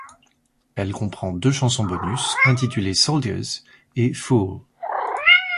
Elle comprend deux chansons bonus intitulées Soldiers et Fool.